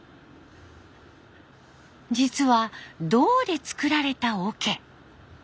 実は銅で作られたおけ。